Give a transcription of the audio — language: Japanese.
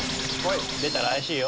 出たら怪しいよ。